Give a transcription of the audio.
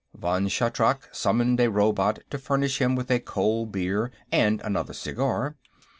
Vann Shatrak summoned a robot to furnish him with a cold beer and another cigar.